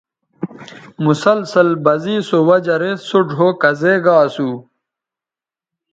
مسلسل بزے سو وجہ رے سو ڙھؤ کزے گا اسو